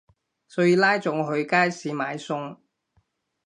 所以拉咗我去街市買餸